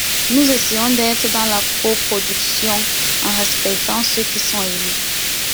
Nous essayons d’être dans la coproduction, en respectant ceux qui sont élus.